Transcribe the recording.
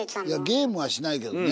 ゲームはしないけどね